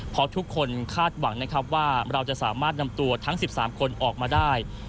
เพราะทุกคนคาดหวังนะครับว่าเราจะสามารถนำตัวทั้ง๑๓คนออกมาได้